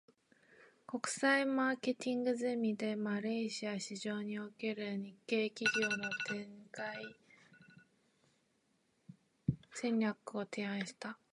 国際マーケティングゼミで、マレーシア市場における日系企業の展開戦略を提案した。